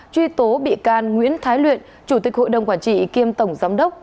truy tố bị can nguyễn thái luyện chủ tịch hội đồng quản trị kiêm tổng giám đốc